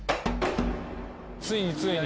ついについに。